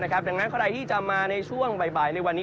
ดังนั้นใครที่จะมาในช่วงบ่ายในวันนี้